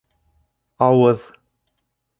Ауыҙ